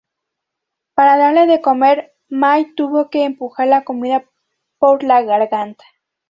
Para darle de comer, May tuvo que empujar la comida por la garganta.